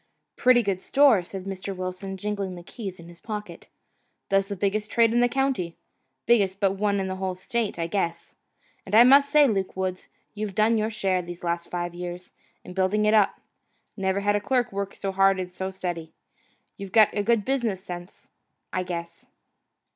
"Pretty good store," said Mr. Wilson, jingling the keys in his pocket, "does the biggest trade in the county, biggest but one in the whole state, I guess. And I must say, Luke Woods, you've done your share, these last five years, in building it up. Never had a clerk work so hard and so steady. You've got good business sense, I guess."